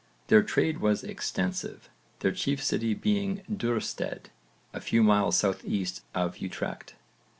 Their trade was extensive, their chief city being Duurstede a few miles south east of Utrecht.